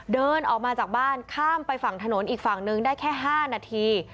เดินออกมาจากบ้านข้ามไปฝั่งถนนอีกฝั่งนึงได้แค่๕นาที